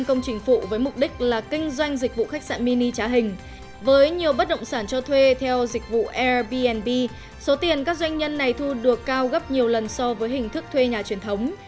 trước tiên các doanh nhân này thu được cao gấp nhiều lần so với hình thức thuê nhà truyền thống